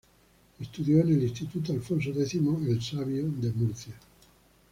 Estudió en el Instituto Alfonso X El Sabio de Murcia.